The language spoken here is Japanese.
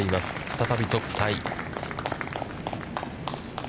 再びトップタイ。